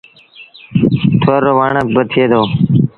ٿُور رو وڻ با ٿئي دو۔